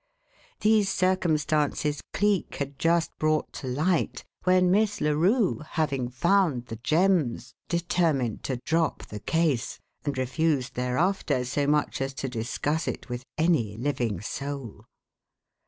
These circumstances Cleek had just brought to light when Miss Larue, having found the gems, determined to drop the case, and refused thereafter so much as to discuss it with any living soul.